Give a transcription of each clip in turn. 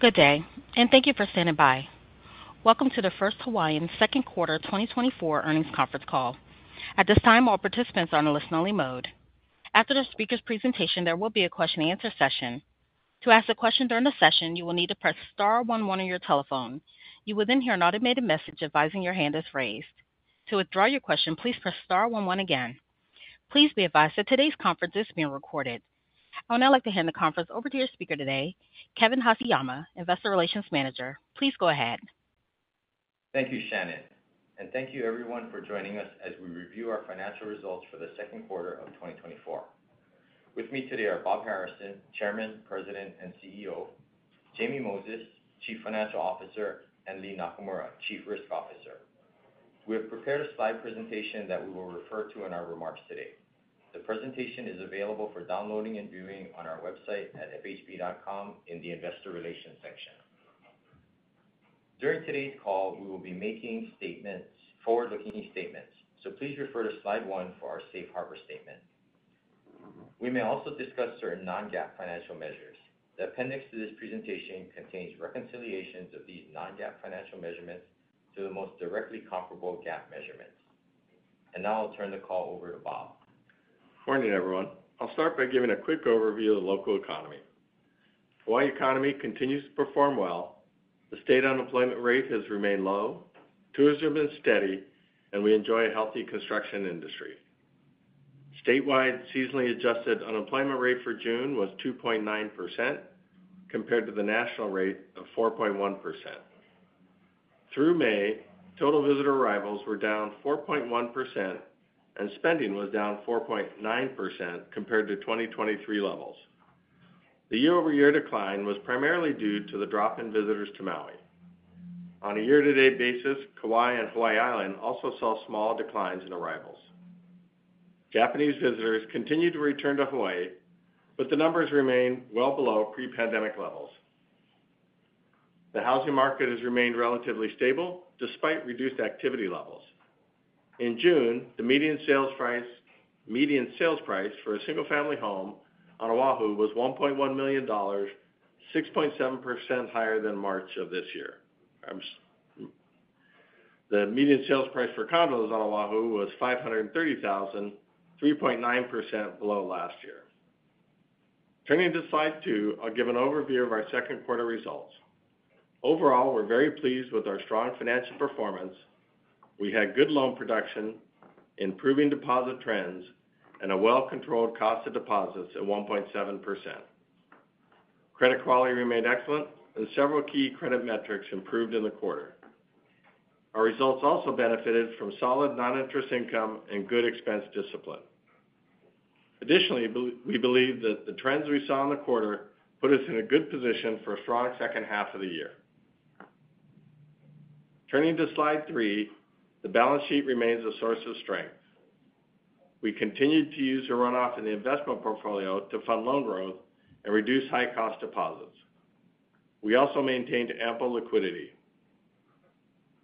Good day, and thank you for standing by. Welcome to the First Hawaiian Second Quarter 2024 Earnings Conference Call. At this time, all participants are in a listen-only mode. After the speaker's presentation, there will be a question-and-answer session. To ask a question during the session, you will need to press star one one on your telephone. You will then hear an automated message advising your hand is raised. To withdraw your question, please press star one one again. Please be advised that today's conference is being recorded. I would now like to hand the conference over to your speaker today, Kevin Haseyama, Investor Relations Manager. Please go ahead. Thank you, Shannon. Thank you, everyone, for joining us as we review our financial results for the second quarter of 2024. With me today are Bob Harrison, Chairman, President, and CEO; Jamie Moses, Chief Financial Officer; and Lea Nakamura, Chief Risk Officer. We have prepared a slide presentation that we will refer to in our remarks today. The presentation is available for downloading and viewing on our website at fhb.com in the Investor Relations section. During today's call, we will be making forward-looking statements, so please refer to slide one for our Safe Harbor Statement. We may also discuss certain Non-GAAP financial measures. The appendix to this presentation contains reconciliations of these Non-GAAP financial measurements to the most directly comparable GAAP measurements. Now I'll turn the call over to Bob. Good morning, everyone. I'll start by giving a quick overview of the local economy. The Hawaiian economy continues to perform well. The state unemployment rate has remained low, tourism has been steady, and we enjoy a healthy construction industry. Statewide, the seasonally adjusted unemployment rate for June was 2.9% compared to the national rate of 4.1%. Through May, total visitor arrivals were down 4.1%, and spending was down 4.9% compared to 2023 levels. The year-over-year decline was primarily due to the drop in visitors to Maui. On a year-to-date basis, Kauai and Hawaii Island also saw small declines in arrivals. Japanese visitors continue to return to Hawaii, but the numbers remain well below pre-pandemic levels. The housing market has remained relatively stable despite reduced activity levels. In June, the median sales price for a single-family home on O'ahu was $1.1 million, 6.7% higher than March of this year. The median sales price for condos on O'ahu was $530,000, 3.9% below last year. Turning to slide two, I'll give an overview of our second quarter results. Overall, we're very pleased with our strong financial performance. We had good loan production, improving deposit trends, and a well-controlled cost of deposits at 1.7%. Credit quality remained excellent, and several key credit metrics improved in the quarter. Our results also benefited from solid non-interest income and good expense discipline. Additionally, we believe that the trends we saw in the quarter put us in a good position for a strong second half of the year. Turning to slide three, the balance sheet remains a source of strength. We continued to use the runoff in the investment portfolio to fund loan growth and reduce high-cost deposits. We also maintained ample liquidity.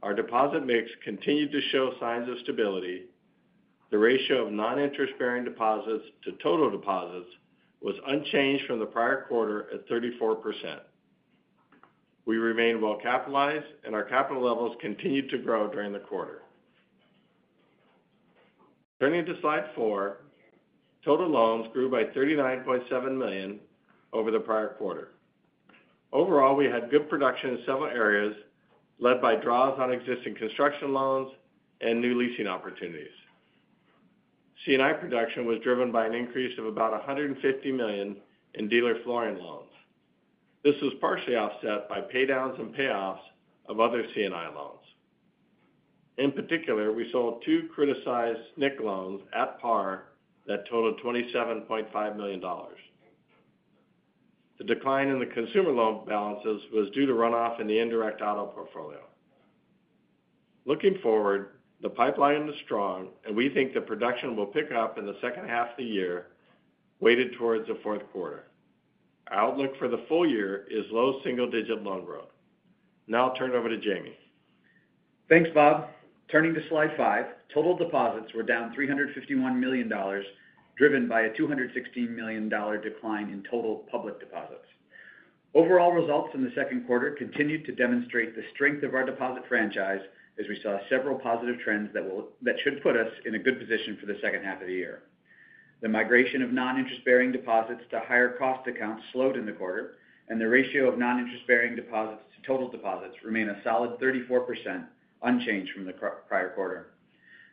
Our deposit mix continued to show signs of stability. The ratio of non-interest-bearing deposits to total deposits was unchanged from the prior quarter at 34%. We remained well-capitalized, and our capital levels continued to grow during the quarter. Turning to slide four, total loans grew by $39.7 million over the prior quarter. Overall, we had good production in several areas led by draws on existing construction loans and new leasing opportunities. C&I production was driven by an increase of about $150 million in dealer floor plan loans. This was partially offset by paydowns and payoffs of other C&I loans. In particular, we sold two criticized SNC loans at par that totaled $27.5 million. The decline in the consumer loan balances was due to runoff in the indirect auto portfolio. Looking forward, the pipeline is strong, and we think that production will pick up in the second half of the year weighted towards the fourth quarter. Our outlook for the full year is low single-digit loan growth. Now I'll turn it over to Jamie. Thanks, Bob. Turning to slide five, total deposits were down $351 million, driven by a $216 million decline in total public deposits. Overall results in the second quarter continued to demonstrate the strength of our deposit franchise as we saw several positive trends that should put us in a good position for the second half of the year. The migration of non-interest-bearing deposits to higher-cost accounts slowed in the quarter, and the ratio of non-interest-bearing deposits to total deposits remained a solid 34%, unchanged from the prior quarter.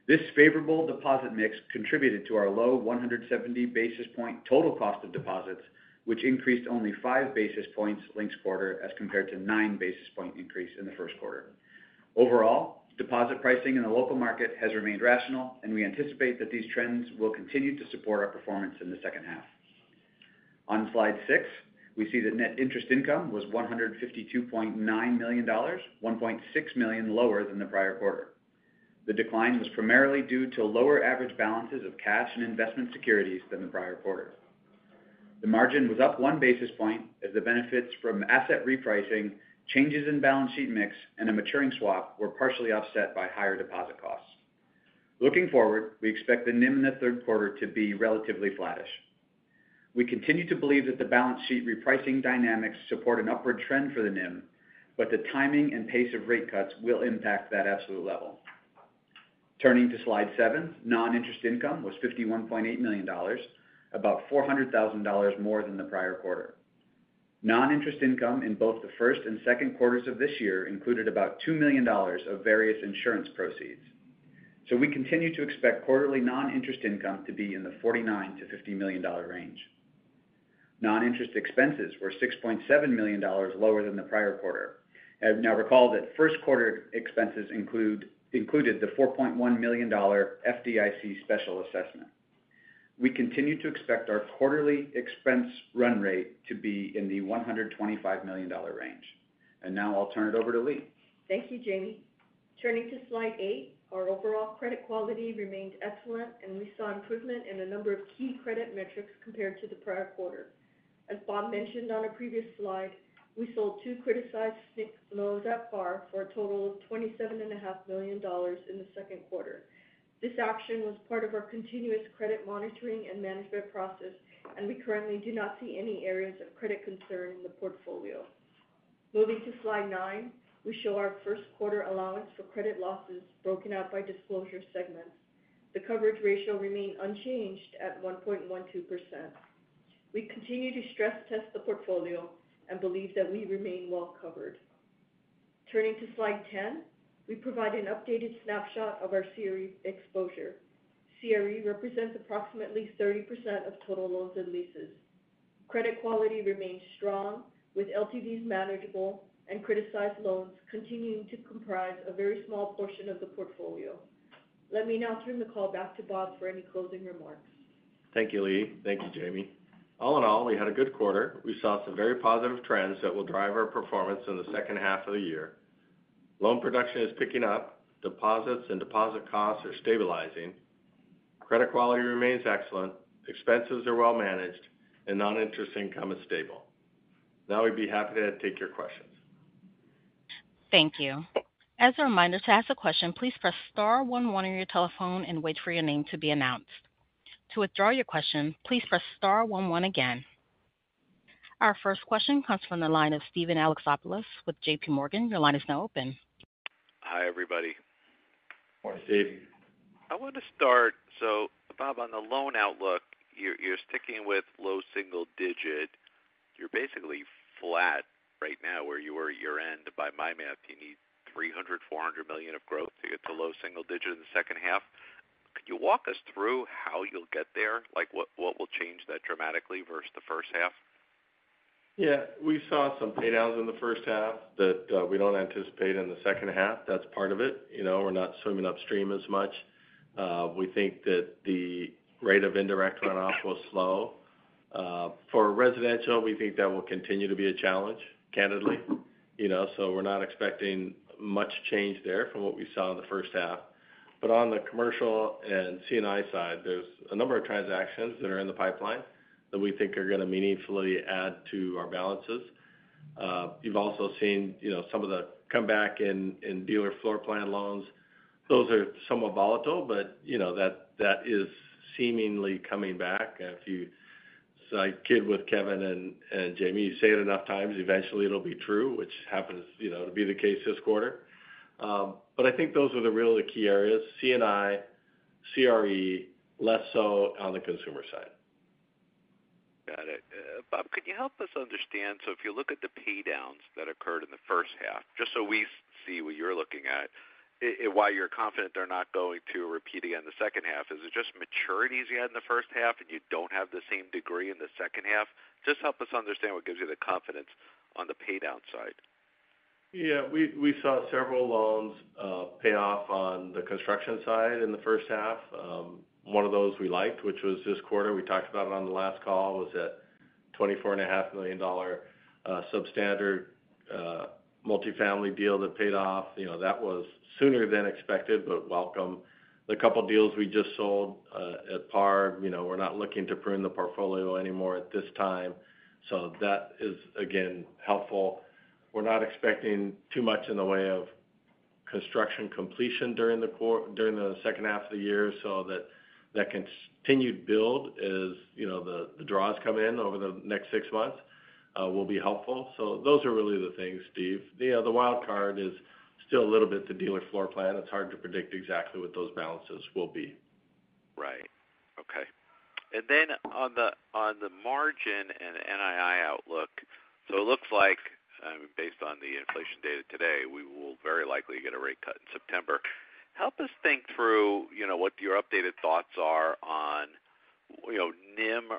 This favorable deposit mix contributed to our low 170 basis point total cost of deposits, which increased only five basis points linked quarter as compared to nine basis point increase in the first quarter. Overall, deposit pricing in the local market has remained rational, and we anticipate that these trends will continue to support our performance in the second half. On slide six, we see that net interest income was $152.9 million, $1.6 million lower than the prior quarter. The decline was primarily due to lower average balances of cash and investment securities than the prior quarter. The margin was up one basis point as the benefits from asset repricing, changes in balance sheet mix, and a maturing swap were partially offset by higher deposit costs. Looking forward, we expect the NIM in the third quarter to be relatively flattish. We continue to believe that the balance sheet repricing dynamics support an upward trend for the NIM, but the timing and pace of rate cuts will impact that absolute level. Turning to slide seven, non-interest income was $51.8 million, about $400,000 more than the prior quarter. Non-interest income in both the first and second quarters of this year included about $2 million of various insurance proceeds. So we continue to expect quarterly non-interest income to be in the $49-$50 million range. Non-interest expenses were $6.7 million lower than the prior quarter. Now recall that first quarter expenses included the $4.1 million FDIC special assessment. We continue to expect our quarterly expense run rate to be in the $125 million range. And now I'll turn it over to Lea. Thank you, Jamie. Turning to slide 8, our overall credit quality remained excellent, and we saw improvement in a number of key credit metrics compared to the prior quarter. As Bob mentioned on a previous slide, we sold two criticized SNC loans at par for a total of $27.5 million in the second quarter. This action was part of our continuous credit monitoring and management process, and we currently do not see any areas of credit concern in the portfolio. Moving to slide 9, we show our first quarter allowance for credit losses broken out by disclosure segments. The coverage ratio remained unchanged at 1.12%. We continue to stress-test the portfolio and believe that we remain well covered. Turning to slide 10, we provide an updated snapshot of our CRE exposure. CRE represents approximately 30% of total loans and leases. Credit quality remains strong, with LTVs manageable and criticized loans continuing to comprise a very small portion of the portfolio. Let me now turn the call back to Bob for any closing remarks. Thank you, Lea. Thank you, Jamie. All in all, we had a good quarter. We saw some very positive trends that will drive our performance in the second half of the year. Loan production is picking up. Deposits and deposit costs are stabilizing. Credit quality remains excellent. Expenses are well managed, and non-interest income is stable. Now we'd be happy to take your questions. Thank you. As a reminder to ask a question, please press star one one on your telephone and wait for your name to be announced. To withdraw your question, please press star one one again. Our first question comes from the line of Steven Alexopoulos with JPMorgan. Your line is now open. Hi, everybody. Morning, Steve. I want to start, so Bob, on the loan outlook, you're sticking with low single digit. You're basically flat right now where you were year-end. By my math, you need $300 million-$400 million of growth to get to low single digit in the second half. Could you walk us through how you'll get there? What will change that dramatically versus the first half? Yeah. We saw some paydowns in the first half that we don't anticipate in the second half. That's part of it. We're not swimming upstream as much. We think that the rate of indirect runoff was slow. For residential, we think that will continue to be a challenge, candidly. So we're not expecting much change there from what we saw in the first half. But on the commercial and C&I side, there's a number of transactions that are in the pipeline that we think are going to meaningfully add to our balances. You've also seen some of the comeback in dealer floor plan loans. Those are somewhat volatile, but that is seemingly coming back. So I kid with Kevin and Jamie, you say it enough times, eventually it'll be true, which happens to be the case this quarter. But I think those were really the key areas. C&I, CRE, less so on the consumer side. Got it. Bob, could you help us understand? So if you look at the paydowns that occurred in the first half, just so we see what you're looking at, why you're confident they're not going to repeat again in the second half, is it just maturities you had in the first half and you don't have the same degree in the second half? Just help us understand what gives you the confidence on the paydown side. Yeah. We saw several loans pay off on the construction side in the first half. One of those we liked, which was this quarter. We talked about it on the last call, was that $24.5 million substandard multifamily deal that paid off. That was sooner than expected, but welcome. The couple of deals we just sold at par, we're not looking to prune the portfolio anymore at this time. So that is, again, helpful. We're not expecting too much in the way of construction completion during the second half of the year. So that continued build as the draws come in over the next six months will be helpful. So those are really the things, Steve. The wild card is still a little bit the dealer floor plan. It's hard to predict exactly what those balances will be. Right. Okay. And then on the margin and NII outlook, so it looks like, based on the inflation data today, we will very likely get a rate cut in September. Help us think through what your updated thoughts are on NIM.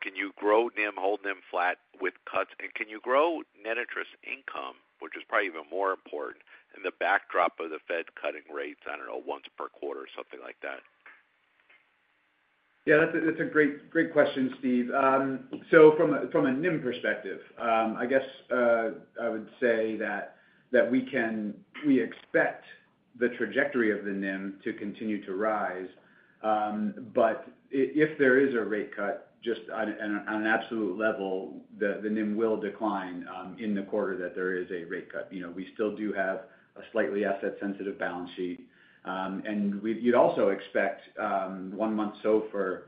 Can you grow NIM, hold NIM flat with cuts? And can you grow net interest income, which is probably even more important, in the backdrop of the Fed cutting rates, I don't know, once per quarter or something like that? Yeah, that's a great question, Steve. So from a NIM perspective, I guess I would say that we expect the trajectory of the NIM to continue to rise. But if there is a rate cut, just on an absolute level, the NIM will decline in the quarter that there is a rate cut. We still do have a slightly asset-sensitive balance sheet. And you'd also expect one month's SOFR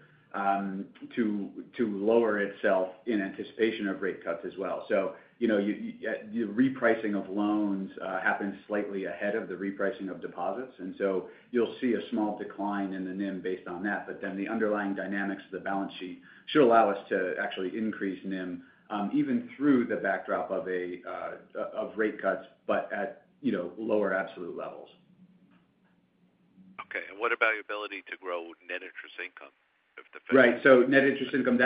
to lower itself in anticipation of rate cuts as well. So the repricing of loans happens slightly ahead of the repricing of deposits. And so you'll see a small decline in the NIM based on that. But then the underlying dynamics of the balance sheet should allow us to actually increase NIM, even through the backdrop of rate cuts, but at lower absolute levels. Okay. And what about your ability to grow net interest income if the Fed? Right. So net interest income,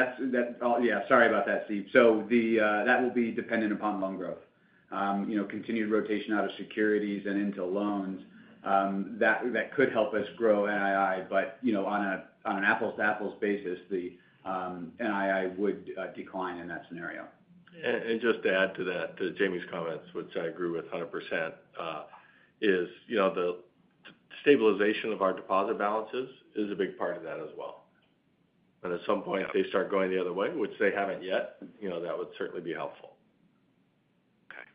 yeah, sorry about that, Steve. So that will be dependent upon loan growth. Continued rotation out of securities and into loans, that could help us grow NII. But on an apples-to-apples basis, the NII would decline in that scenario. And just to add to Jamie's comments, which I agree with 100%, is the stabilization of our deposit balances is a big part of that as well. And at some point, if they start going the other way, which they haven't yet, that would certainly be helpful. Okay.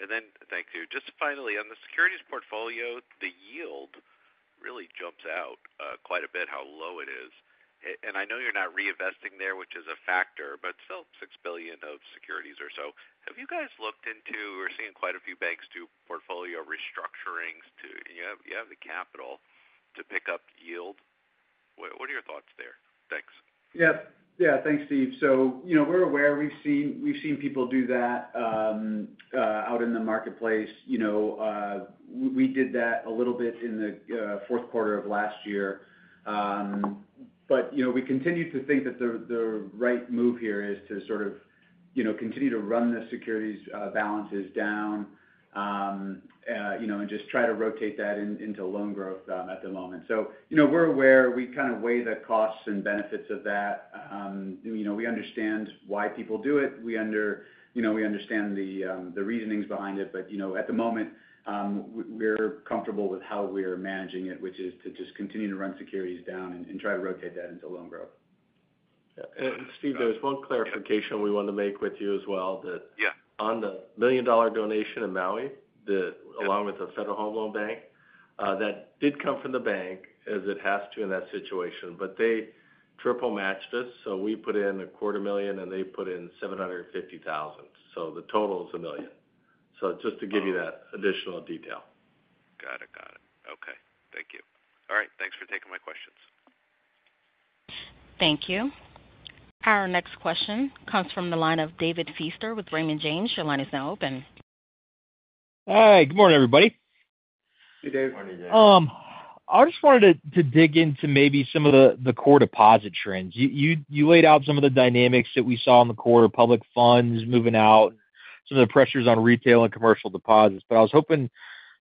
And then thank you. Just finally, on the securities portfolio, the yield really jumps out quite a bit, how low it is. And I know you're not reinvesting there, which is a factor, but still $6 billion of securities or so. Have you guys looked into or seen quite a few banks do portfolio restructurings? You have the capital to pick up yield. What are your thoughts there? Thanks. Yeah. Yeah. Thanks, Steve. So we're aware. We've seen people do that out in the marketplace. We did that a little bit in the fourth quarter of last year. But we continue to think that the right move here is to sort of continue to run the securities balances down and just try to rotate that into loan growth at the moment. So we're aware. We kind of weigh the costs and benefits of that. We understand why people do it. We understand the reasonings behind it. But at the moment, we're comfortable with how we're managing it, which is to just continue to run securities down and try to rotate that into loan growth. Steve, there's one clarification we want to make with you as well. On the $1 million donation in Maui, along with the Federal Home Loan Bank, that did come from the bank as it has to in that situation. But they triple-matched us. So we put in $250,000, and they put in $750,000. So the total is $1 million. So just to give you that additional detail. Got it. Got it. Okay. Thank you. All right. Thanks for taking my questions. Thank you. Our next question comes from the line of David Feaster with Raymond James. Your line is now open. Hi. Good morning, everybody. Hey, David. Morning, James. I just wanted to dig into maybe some of the core deposit trends. You laid out some of the dynamics that we saw in the quarter, public funds moving out, some of the pressures on retail and commercial deposits. But I was hoping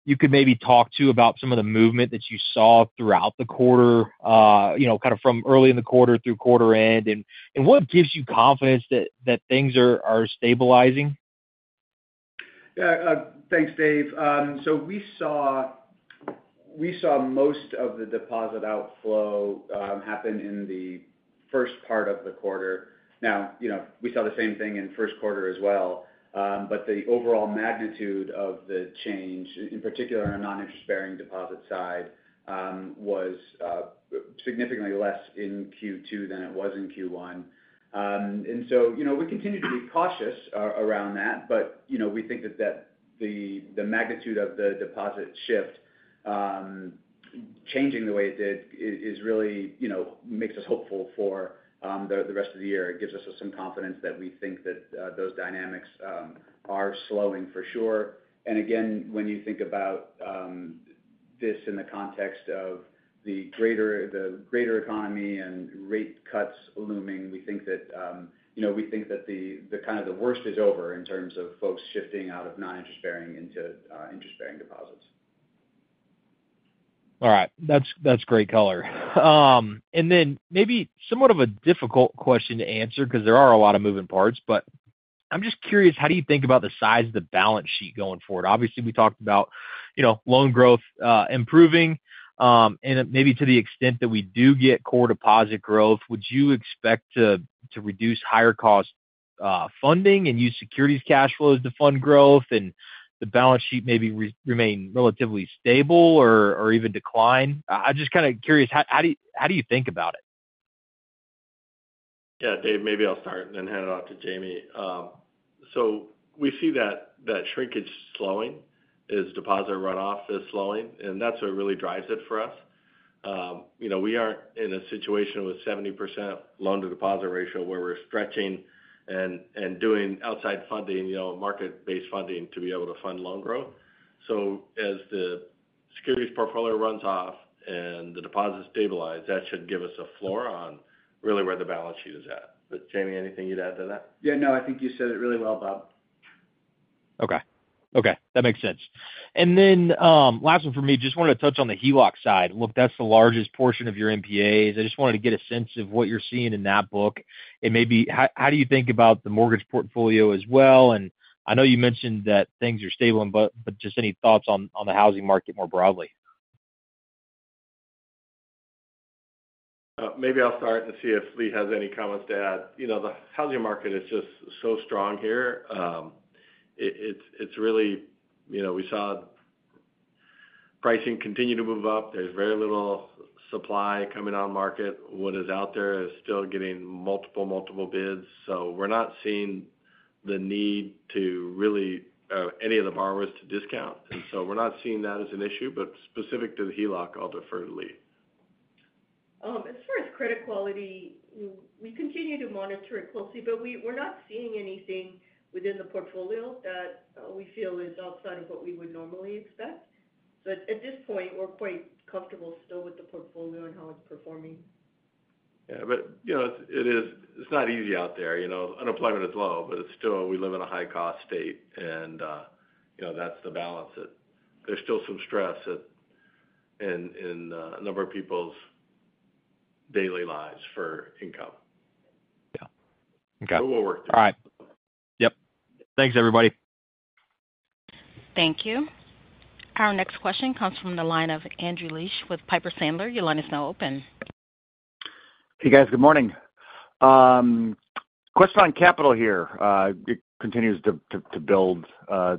you could maybe talk about some of the movement that you saw throughout the quarter, kind of from early in the quarter through quarter end. What gives you confidence that things are stabilizing? Yeah. Thanks, Dave. So we saw most of the deposit outflow happen in the first part of the quarter. Now, we saw the same thing in first quarter as well. But the overall magnitude of the change, in particular on the non-interest-bearing deposit side, was significantly less in Q2 than it was in Q1. And so we continue to be cautious around that. But we think that the magnitude of the deposit shift changing the way it did makes us hopeful for the rest of the year. It gives us some confidence that we think that those dynamics are slowing for sure. And again, when you think about this in the context of the greater economy and rate cuts looming, we think that we think that kind of the worst is over in terms of folks shifting out of non-interest-bearing into interest-bearing deposits. All right. That's great color. And then maybe somewhat of a difficult question to answer because there are a lot of moving parts. But I'm just curious, how do you think about the size of the balance sheet going forward? Obviously, we talked about loan growth improving. And maybe to the extent that we do get core deposit growth, would you expect to reduce higher-cost funding and use securities cash flows to fund growth and the balance sheet maybe remain relatively stable or even decline? I'm just kind of curious, how do you think about it? Yeah, Dave, maybe I'll start and then hand it off to Jamie. So we see that shrinkage slowing, as deposit runoff is slowing. And that's what really drives it for us. We aren't in a situation with a 70% loan-to-deposit ratio where we're stretching and doing outside funding, market-based funding to be able to fund loan growth. So as the securities portfolio runs off and the deposits stabilize, that should give us a floor on really where the balance sheet is at. But Jamie, anything you'd add to that? Yeah. No, I think you said it really well, Bob. Okay. Okay. That makes sense. And then last one for me, just wanted to touch on the HELOC side. Look, that's the largest portion of your NPAs. I just wanted to get a sense of what you're seeing in that book. And maybe how do you think about the mortgage portfolio as well? And I know you mentioned that things are stable, but just any thoughts on the housing market more broadly? Maybe I'll start and see if Lee has any comments to add. The housing market is just so strong here. It's really we saw pricing continue to move up. There's very little supply coming on market. What is out there is still getting multiple, multiple bids. So we're not seeing the need to really any of the borrowers to discount. And so we're not seeing that as an issue, but specific to the HELOC, I'll defer to Lee. As far as credit quality, we continue to monitor it closely, but we're not seeing anything within the portfolio that we feel is outside of what we would normally expect. So at this point, we're quite comfortable still with the portfolio and how it's performing. Yeah. But it's not easy out there. Unemployment is low, but still, we live in a high-cost state. And that's the balance. There's still some stress in a number of people's daily lives for income. Yeah. Okay. But we'll work through it. All right. Yep. Thanks, everybody. Thank you. Our next question comes from the line of Andrew Liesch with Piper Sandler. Your line is now open. Hey, guys. Good morning. Question on capital here. It continues to build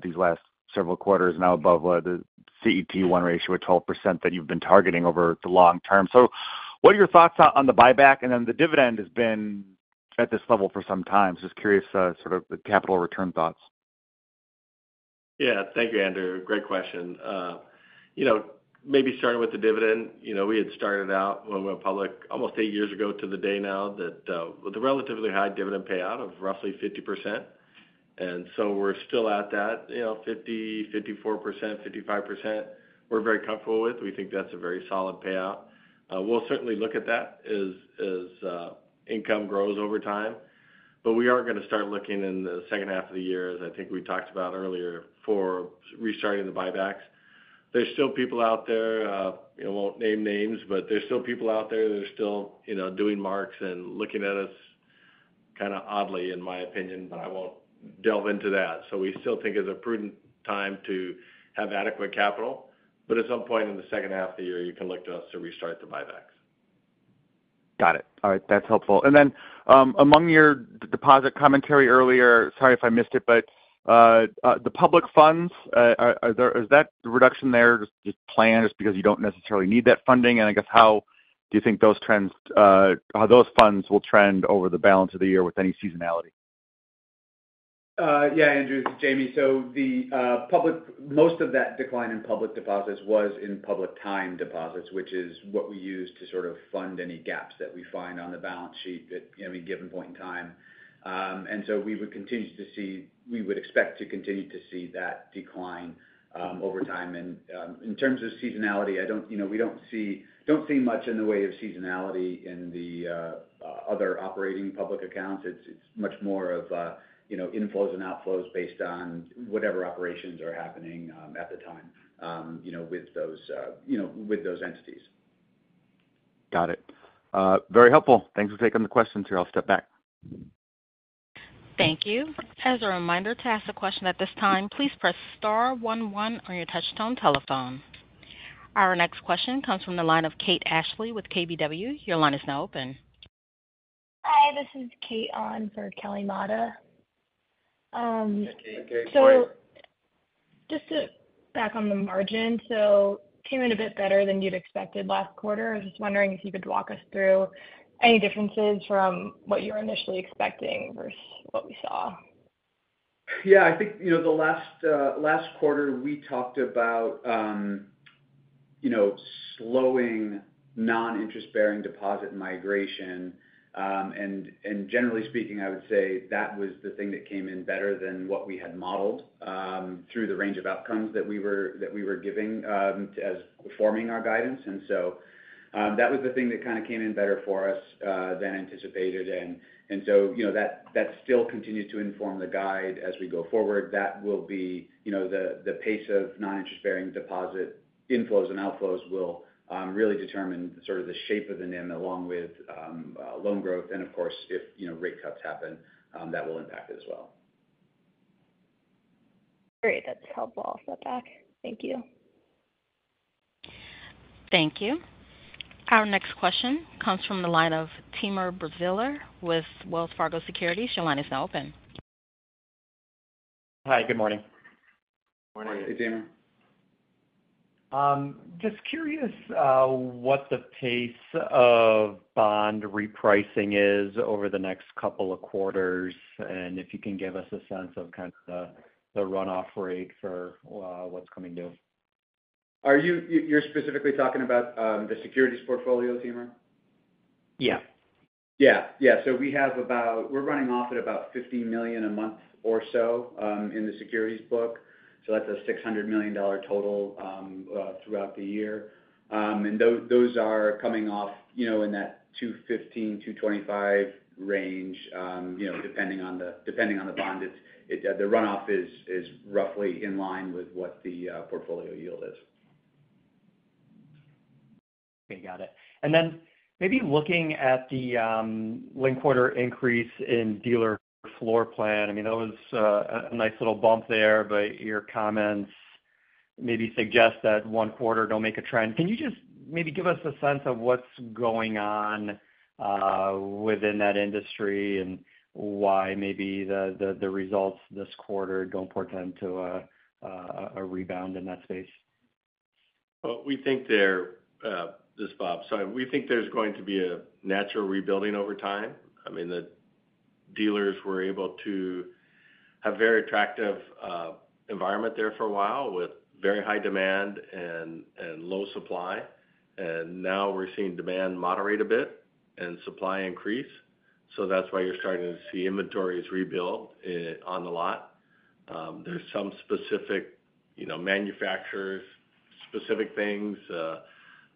these last several quarters, now above the CET1 ratio at 12% that you've been targeting over the long term. So what are your thoughts on the buyback? And then the dividend has been at this level for some time. So just curious sort of the capital return thoughts. Yeah. Thank you, Andrew. Great question. Maybe starting with the dividend, we had started out when we went public almost 8 years ago to the day now that with a relatively high dividend payout of roughly 50%. And so we're still at that 50%, 54%, 55%. We're very comfortable with. We think that's a very solid payout. We'll certainly look at that as income grows over time. But we are going to start looking in the second half of the year, as I think we talked about earlier, for restarting the buybacks. There's still people out there. I won't name names, but there's still people out there that are still doing marks and looking at us kind of oddly, in my opinion, but I won't delve into that. So we still think it's a prudent time to have adequate capital. But at some point in the second half of the year, you can look to us to restart the buybacks. Got it. All right. That's helpful. And then among your deposit commentary earlier, sorry if I missed it, but the public funds, is that the reduction there just planned just because you don't necessarily need that funding? And I guess how do you think those funds will trend over the balance of the year with any seasonality? Yeah, Andrew, this is Jamie. So most of that decline in public deposits was in public time deposits, which is what we use to sort of fund any gaps that we find on the balance sheet at any given point in time. And so we would continue to see we would expect to continue to see that decline over time. And in terms of seasonality, we don't see much in the way of seasonality in the other operating public accounts. It's much more of inflows and outflows based on whatever operations are happening at the time with those entities. Got it. Very helpful. Thanks for taking the questions here. I'll step back. Thank you. As a reminder to ask the question at this time, please press star one one on your touch-tone telephone. Our next question comes from the line of Kate Ashley with KBW. Your line is now open. Hi. This is Kate on for Kelly Motta. Yeah, Kate. Kate's here. Just to back on the margin, so it came in a bit better than you'd expected last quarter. I was just wondering if you could walk us through any differences from what you were initially expecting versus what we saw. Yeah. I think the last quarter, we talked about slowing non-interest-bearing deposit migration. And generally speaking, I would say that was the thing that came in better than what we had modeled through the range of outcomes that we were giving as forming our guidance. And so that was the thing that kind of came in better for us than anticipated. And so that still continues to inform the guide as we go forward. That will be the pace of non-interest-bearing deposit inflows and outflows will really determine sort of the shape of the NIM along with loan growth. And of course, if rate cuts happen, that will impact it as well. Great. That's helpful. I'll step back. Thank you. Thank you. Our next question comes from the line of Timur Braziler with Wells Fargo Securities. Your line is now open. Hi. Good morning. Morning. Hey, Timur. Just curious what the pace of bond repricing is over the next couple of quarters and if you can give us a sense of kind of the runoff rate for what's coming due? Are you specifically talking about the securities portfolio, Timur? Yeah. Yeah. Yeah. So we have about, we're running off at about $50 million a month or so in the securities book. So that's a $600 million total throughout the year. And those are coming off in that 215-225 range, depending on the bond. The runoff is roughly in line with what the portfolio yield is. Okay. Got it. And then maybe looking at the late quarter increase in dealer floor plan, I mean, that was a nice little bump there. But your comments maybe suggest that one quarter don't make a trend. Can you just maybe give us a sense of what's going on within that industry and why maybe the results this quarter don't portend to a rebound in that space? Well, we think there is, Bob, sorry. We think there's going to be a natural rebuilding over time. I mean, the dealers were able to have a very attractive environment there for a while with very high demand and low supply. Now we're seeing demand moderate a bit and supply increase. That's why you're starting to see inventories rebuild on the lot. There's some specific manufacturers, specific things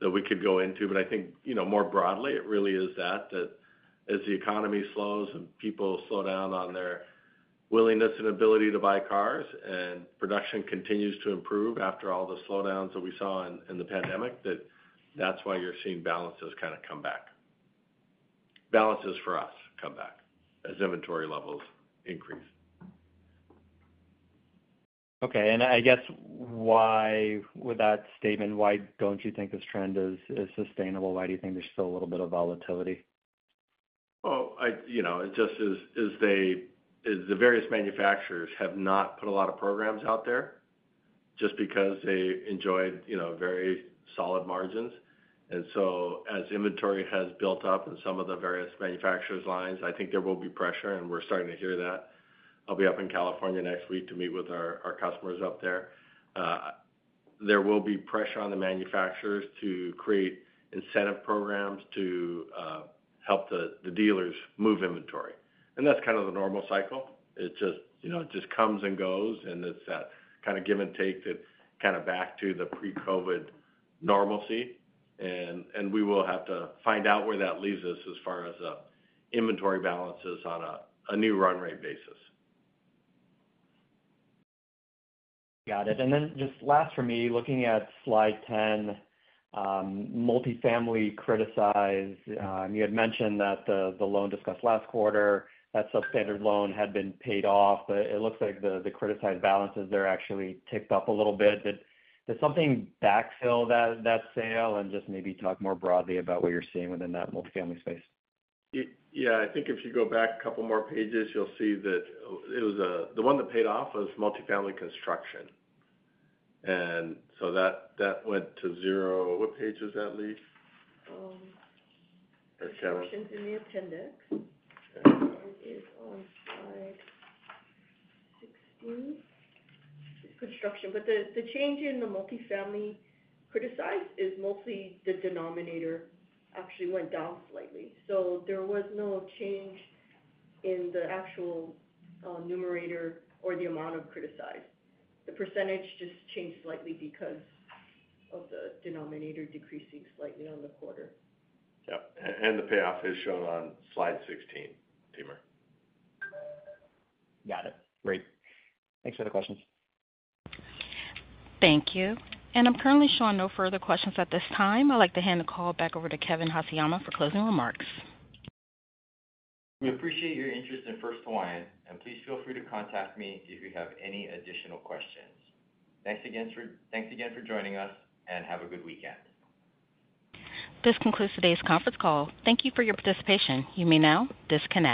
that we could go into. I think more broadly, it really is that as the economy slows and people slow down on their willingness and ability to buy cars and production continues to improve after all the slowdowns that we saw in the pandemic, that that's why you're seeing balances kind of come back. Balances for us come back as inventory levels increase. Okay. And I guess why with that statement, why don't you think this trend is sustainable? Why do you think there's still a little bit of volatility? Well, it just is the various manufacturers have not put a lot of programs out there just because they enjoyed very solid margins. And so as inventory has built up in some of the various manufacturers' lines, I think there will be pressure. And we're starting to hear that. I'll be up in California next week to meet with our customers up there. There will be pressure on the manufacturers to create incentive programs to help the dealers move inventory. And that's kind of the normal cycle. It just comes and goes. And it's that kind of give and take that kind of back to the pre-COVID normalcy. And we will have to find out where that leaves us as far as inventory balances on a new run rate basis. Got it. Then just last for me, looking at slide 10, multifamily criticized. You had mentioned that the loan discussed last quarter, that substandard loan had been paid off. But it looks like the criticized balances there actually ticked up a little bit. Did something backfill that sale and just maybe talk more broadly about what you're seeing within that multifamily space? Yeah. I think if you go back a couple more pages, you'll see that it was the one that paid off was multifamily construction. And so that went to zero. What page is that, Lea? It's in the appendix. It is on slide 16. It's construction. But the change in the multifamily Criticized is mostly the denominator actually went down slightly. So there was no change in the actual numerator or the amount of Criticized. The % just changed slightly because of the denominator decreasing slightly on the quarter. Yep. The payoff has shown on slide 16, Timur. Got it. Great. Thanks for the questions. Thank you. I'm currently showing no further questions at this time. I'd like to hand the call back over to Kevin Haseyama for closing remarks. We appreciate your interest in First Hawaiian. Please feel free to contact me if you have any additional questions. Thanks again for joining us, and have a good weekend. This concludes today's conference call. Thank you for your participation. You may now disconnect.